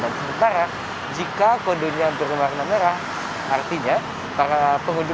dan sementara jika kodenya berwarna merah artinya para pengunjung